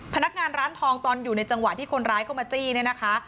พนักงานร้านทองตอนอยู่ในจังหวะที่คนร้ายเข้ามาจี้เนี่ยนะคะ